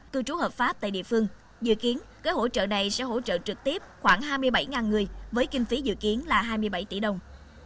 cư trú hợp pháp tại địa phương dự kiến gói hỗ trợ này sẽ hỗ trợ trực tiếp khoảng hai mươi bảy người với kinh phí dự kiến là hai mươi bảy tỷ đồng